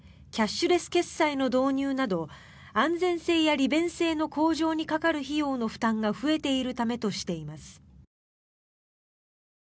キャッシュレス決済の導入など安全性や利便性の向上にかかる費用の負担が増えているためとしています。